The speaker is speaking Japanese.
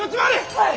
はい！